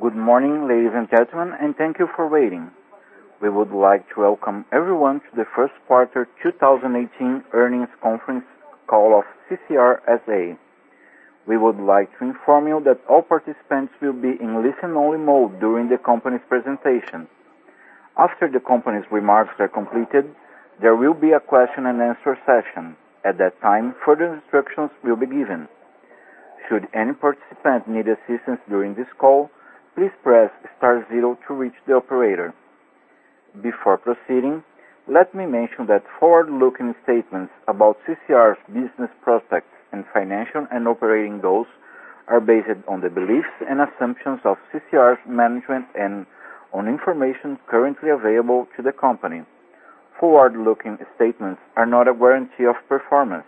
Good morning, ladies and gentlemen, and thank you for waiting. We would like to welcome everyone to the first quarter 2018 earnings conference call of CCR S.A. We would like to inform you that all participants will be in listen-only mode during the company's presentation. After the company's remarks are completed, there will be a question and answer session. At that time, further instructions will be given. Should any participant need assistance during this call, please press star zero to reach the operator. Before proceeding, let me mention that forward-looking statements about CCR's business prospects and financial and operating goals are based on the beliefs and assumptions of CCR's management and on information currently available to the company. Forward-looking statements are not a warranty of performance.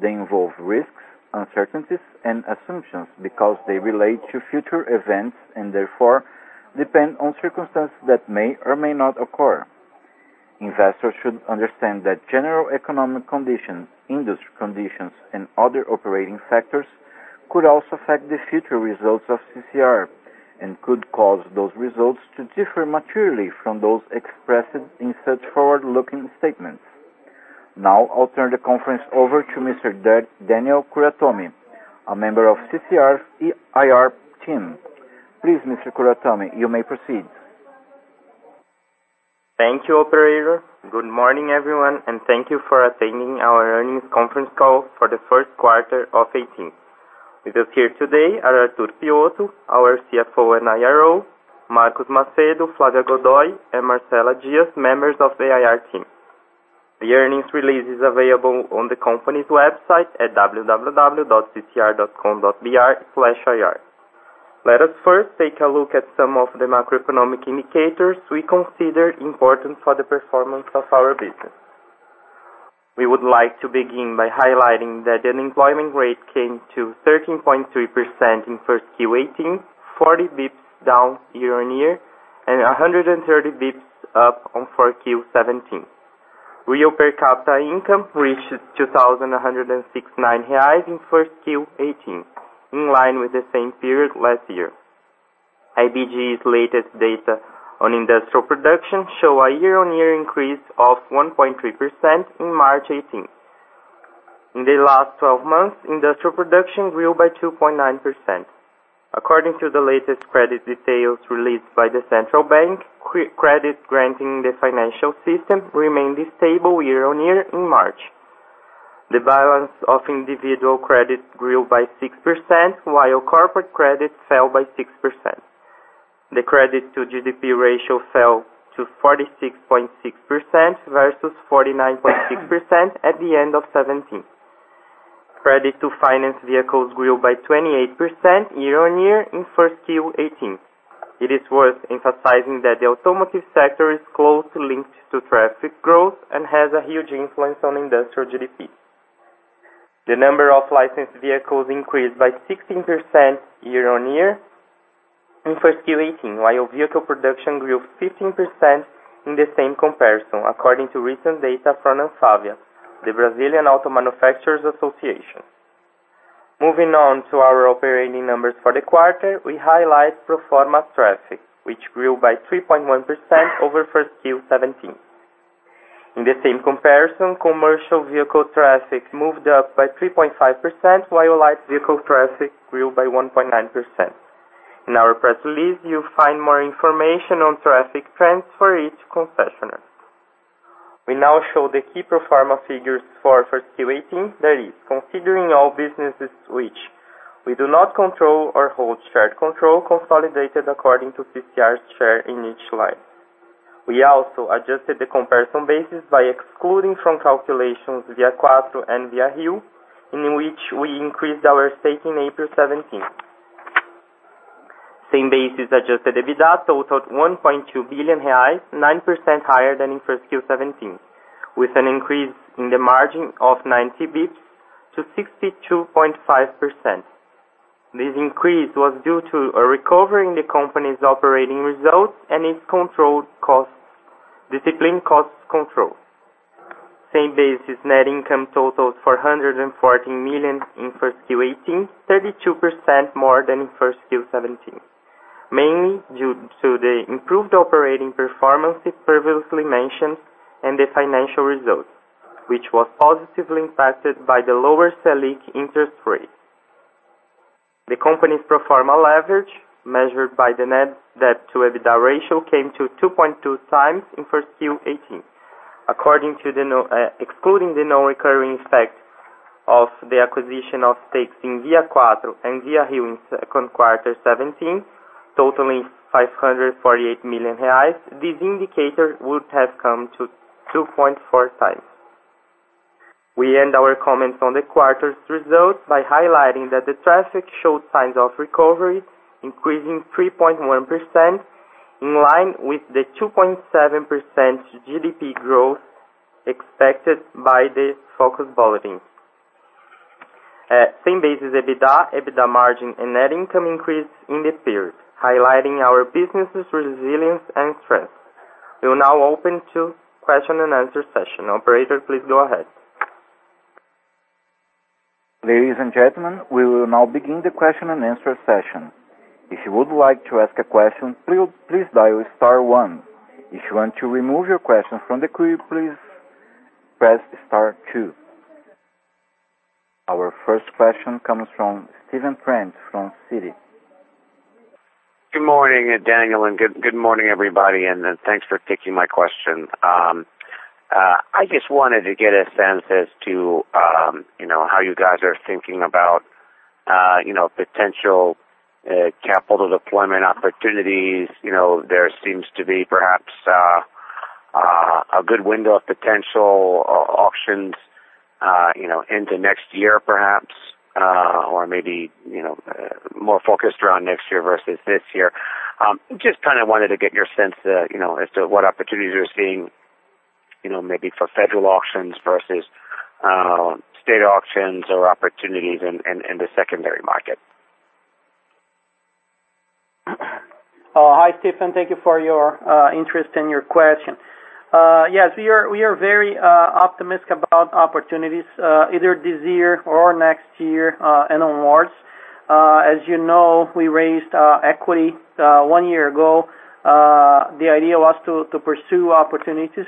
They involve risks, uncertainties, and assumptions because they relate to future events and therefore depend on circumstances that may or may not occur. Investors should understand that general economic conditions, industry conditions, and other operating factors could also affect the future results of CCR and could cause those results to differ materially from those expressed in such forward-looking statements. Now I'll turn the conference over to Mr. Daniel Kuratomi, a member of CCR's IR team. Please, Mr. Kuratomi, you may proceed. Thank you, operator. Good morning, everyone, and thank you for attending our earnings conference call for the first quarter of 2018. With us here today are Arthur Piotto, our CFO and IRO, Marcus Macedo, Flávia Godoy, and Marcela Dias, members of the IR team. The earnings release is available on the company's website at www.ccr.com.br/ir. Let us first take a look at some of the macroeconomic indicators we consider important for the performance of our business. We would like to begin by highlighting that the unemployment rate came to 13.3% in Q1 2018, 40 basis points down year-on-year, and 130 basis points up on Q4 2017. Real per capita income reached 2,169 reais in Q1 2018, in line with the same period last year. IBGE's latest data on industrial production show a year-on-year increase of 1.3% in March 2018. In the last 12 months, industrial production grew by 2.9%. According to the latest credit details released by the Central Bank, credit granting in the financial system remained stable year-on-year in March. The balance of individual credit grew by 6%, while corporate credit fell by 6%. The credit to GDP ratio fell to 46.6% versus 49.6% at the end of 2017. Credit to finance vehicles grew by 28% year-on-year in Q1 2018. It is worth emphasizing that the automotive sector is closely linked to traffic growth and has a huge influence on industrial GDP. The number of licensed vehicles increased by 16% year-on-year in Q1 2018, while vehicle production grew 15% in the same comparison, according to recent data from ANFAVEA, The Brazilian Association of Automotive Vehicle Manufacturers. Moving on to our operating numbers for the quarter, we highlight pro forma traffic, which grew by 3.1% over Q1 2017. In the same comparison, commercial vehicle traffic moved up by 3.5%, while light vehicle traffic grew by 1.9%. In our press release, you will find more information on traffic trends for each concessionaire. We now show the key pro forma figures for Q1 2018, that is, considering all businesses which we do not control or hold shared control, consolidated according to CCR's share in each line. We also adjusted the comparison basis by excluding from calculations ViaQuatro and ViaRio, in which we increased our stake in April 2017. Same basis adjusted EBITDA totaled 1.2 billion reais, 9% higher than in Q1 2017, with an increase in the margin of 90 basis points to 62.5%. This increase was due to a recovery in the company's operating results and its discipline costs control. Same basis net income totaled 414 million in Q1 2018, 32% more than in Q1 2017, mainly due to the improved operating performance previously mentioned and the financial results, which was positively impacted by the lower Selic interest rate. The company's pro forma leverage, measured by the net debt to EBITDA ratio, came to 2.2 times in Q1 2018. Excluding the non-recurring effects of the acquisition of stakes in ViaQuatro and ViaRio in Q2 2017, totaling 548 million reais, this indicator would have come to 2.4 times. We end our comments on the quarter's results by highlighting that the traffic showed signs of recovery, increasing 3.1%, in line with the 2.7% GDP growth expected by the Focus Bulletin. Same basis EBITDA margin, and net income increased in the period, highlighting our businesses' resilience and strength. We will now open to question and answer session. Operator, please go ahead. Ladies and gentlemen, we will now begin the question and answer session. If you would like to ask a question, please dial star one. If you want to remove your question from the queue, please press star two. Our first question comes from Steven Prentice from Citi. Good morning, Daniel, and good morning, everybody, thanks for taking my question. I just wanted to get a sense as to how you guys are thinking about potential capital deployment opportunities. There seems to be perhaps a good window of potential auctions into next year perhaps, or maybe more focused around next year versus this year. Just wanted to get your sense as to what opportunities you're seeing, maybe for federal auctions versus state auctions or opportunities in the secondary market. Hi, Steven. Thank you for your interest and your question. Yes, we are very optimistic about opportunities either this year or next year and onwards. As you know, we raised equity one year ago. The idea was to pursue opportunities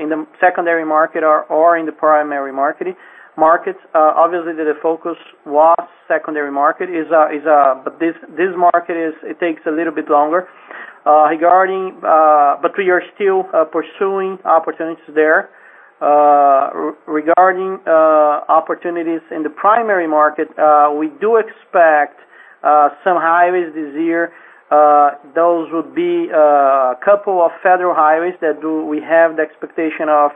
in the secondary market or in the primary markets. Obviously, the focus was secondary market. We are still pursuing opportunities there. Regarding opportunities in the primary market, we do expect some highways this year. Those would be a couple of federal highways that we have the expectation of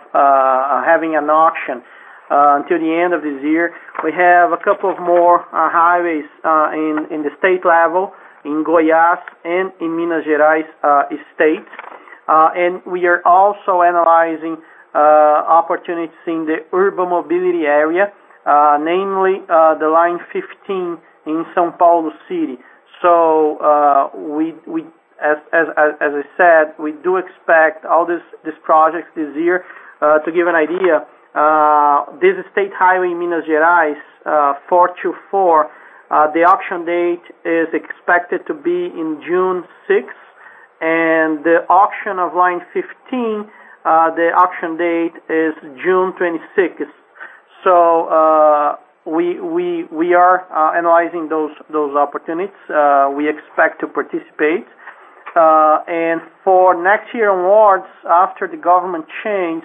having an auction until the end of this year. We have a couple of more highways in the state level, in Goiás and in Minas Gerais state. We are also analyzing opportunities in the urban mobility area, namely the Line 15-Silver in São Paulo City. As I said, we do expect all these projects this year. To give an idea, this state highway in Minas Gerais, MG-424, the auction date is expected to be in June 6th, and the auction of Line 15-Silver, the auction date is June 26th. We are analyzing those opportunities. We expect to participate. For next year onwards, after the government change,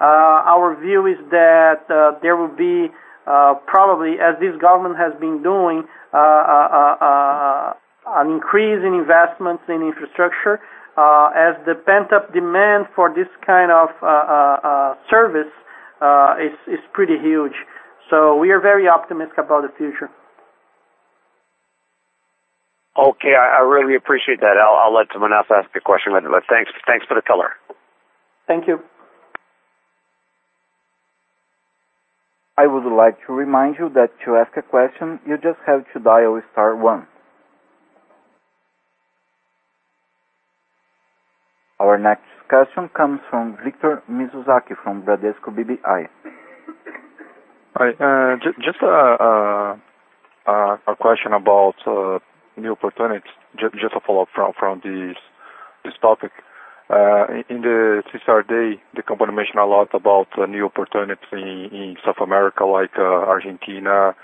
our view is that there will be probably, as this government has been doing, an increase in investments in infrastructure, as the pent-up demand for this kind of service is pretty huge. We are very optimistic about the future. Okay. I really appreciate that. I'll let someone else ask a question, but thanks for the color. Thank you. I would like to remind you that to ask a question, you just have to dial star one. Our next question comes from Victor Mizusaki from Bradesco BBI. Hi. Just a question about new opportunities. Just a follow-up from this topic. In the CCR day, the company mentioned a lot about new opportunities in South America, like Argentina,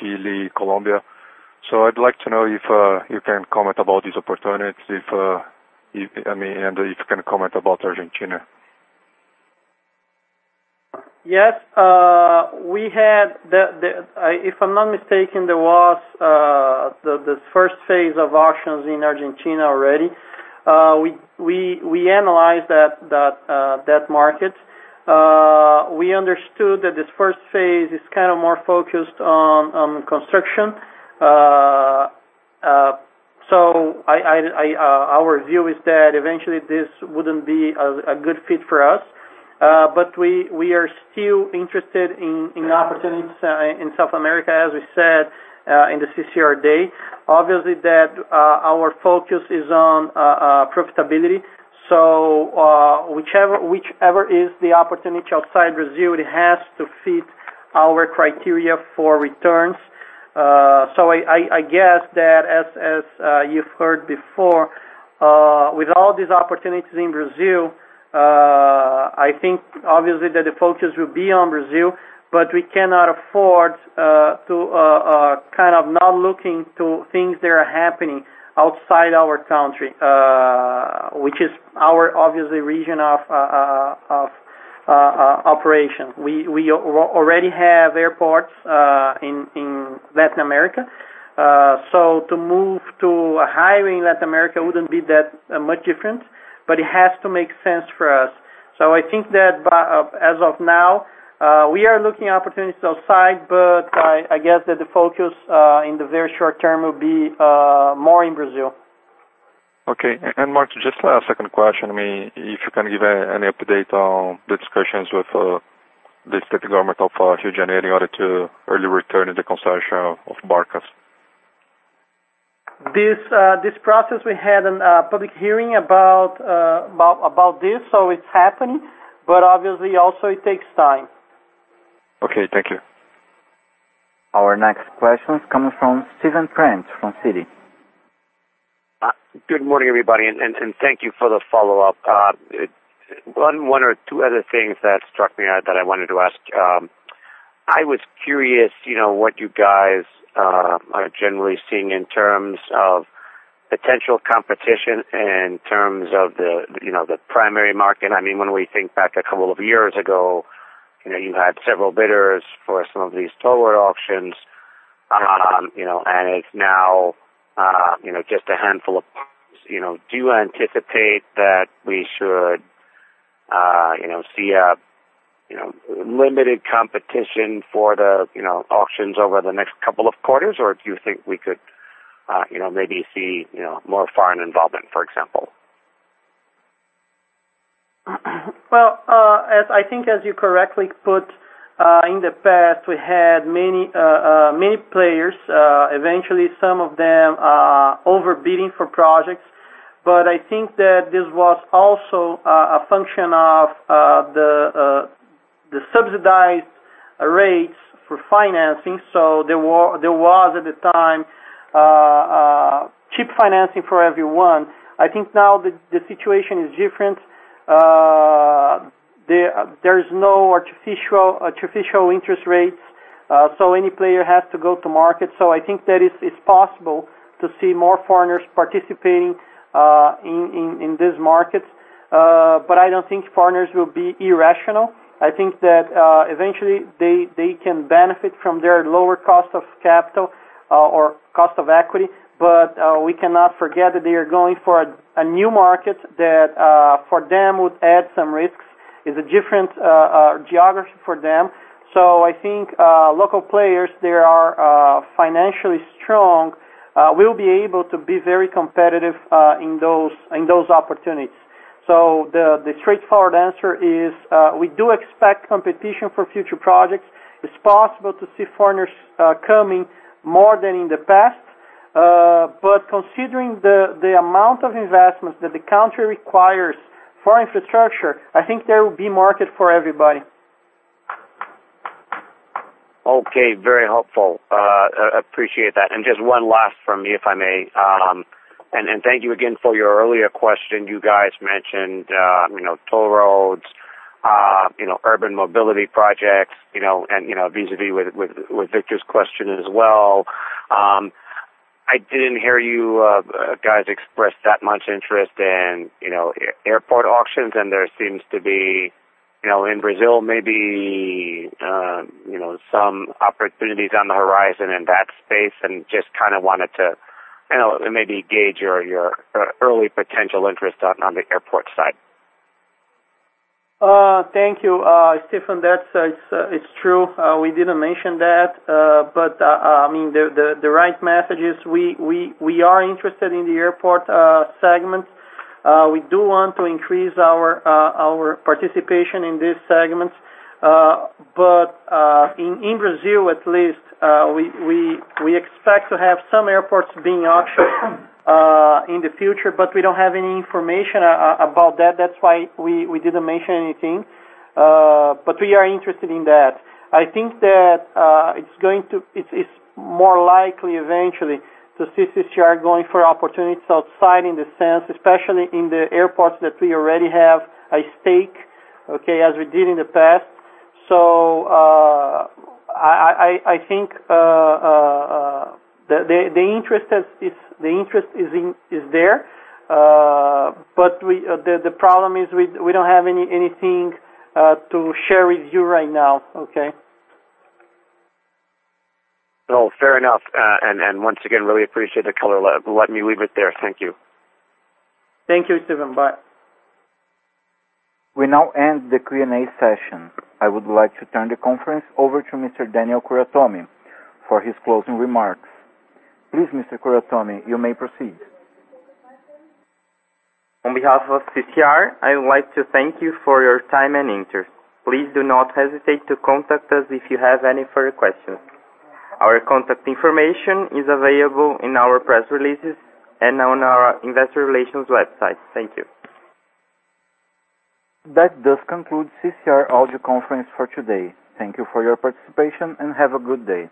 Chile, Colombia. I'd like to know if you can comment about these opportunities, and if you can comment about Argentina. Yes. If I'm not mistaken, there was the first phase of auctions in Argentina already. We analyzed that market. We understood that this first phase is more focused on construction. Our view is that eventually this wouldn't be a good fit for us. We are still interested in opportunities in South America, as we said in the CCR day. Obviously, our focus is on profitability. Whichever is the opportunity outside Brazil, it has to fit our criteria for returns. I guess that, as you've heard before, with all these opportunities in Brazil, I think obviously that the focus will be on Brazil, but we cannot afford to not look into things that are happening outside our country, which is our obviously region of operation. We already have airports in Latin America. To move to hiring Latin America wouldn't be that much different, but it has to make sense for us. I think that as of now, we are looking at opportunities outside, but I guess that the focus in the very short term will be more in Brazil. Okay. Arthur, just a second question. If you can give any update on the discussions with the state government of Rio de Janeiro in order to early return the concession of Barcas. This process, we had a public hearing about this, so it's happening, but obviously also it takes time. Okay, thank you. Our next question is coming from Steven Prentice from Citi. Good morning, everybody, and thank you for the follow-up. One or two other things that struck me that I wanted to ask. I was curious what you guys are generally seeing in terms of potential competition in terms of the primary market. When we think back a couple of years ago, you had several bidders for some of these toll road auctions, and it's now just a handful of bidders. Do you anticipate that we should see a limited competition for the auctions over the next couple of quarters, or do you think we could maybe see more foreign involvement, for example? Well, I think as you correctly put, in the past, we had many players, eventually some of them overbidding for projects. I think that this was also a function of the subsidized rates for financing. There was, at the time, cheap financing for everyone. I think now the situation is different. There is no artificial interest rates. Any player has to go to market. I think that it's possible to see more foreigners participating in these markets. I don't think foreigners will be irrational. I think that eventually they can benefit from their lower cost of capital or cost of equity. We cannot forget that they are going for a new market that for them would add some risks. It's a different geography for them. I think local players that are financially strong will be able to be very competitive in those opportunities. The straightforward answer is, we do expect competition for future projects. It's possible to see foreigners coming more than in the past. Considering the amount of investments that the country requires for infrastructure, I think there will be market for everybody. Okay. Very helpful. Appreciate that. Just one last from me, if I may. Thank you again for your earlier question. You guys mentioned toll roads, urban mobility projects, and vis-a-vis with Victor's question as well. I didn't hear you guys express that much interest in airport auctions, there seems to be, in Brazil, maybe some opportunities on the horizon in that space, just kind of wanted to maybe gauge your early potential interest on the airport side. Thank you, Steven. That's true. We didn't mention that. The right message is we are interested in the airport segment. We do want to increase our participation in this segment. In Brazil, at least, we expect to have some airports being auctioned in the future, we don't have any information about that. That's why we didn't mention anything. We are interested in that. I think that it's more likely eventually to see CCR going for opportunities outside in the sense, especially in the airports that we already have a stake, okay, as we did in the past. I think the interest is there, the problem is we don't have anything to share with you right now. Okay? Well, fair enough. Once again, really appreciate the color. Let me leave it there. Thank you. Thank you, Steven. Bye. We now end the Q&A session. I would like to turn the conference over to Mr. Daniel Kuratomi for his closing remarks. Please, Mr. Kuratomi, you may proceed. On behalf of CCR, I would like to thank you for your time and interest. Please do not hesitate to contact us if you have any further questions. Our contact information is available in our press releases and on our investor relations website. Thank you. That does conclude CCR audio conference for today. Thank you for your participation. Have a good day.